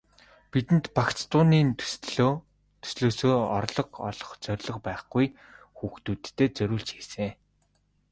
Бидэнд багц дууны төслөөсөө орлого олох зорилго байхгүй, хүүхдүүддээ зориулж хийсэн.